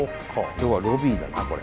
今日はロビーだなこれ。